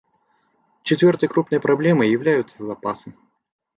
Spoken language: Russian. Четвертой крупной проблемой являются запасы.